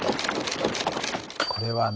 これはね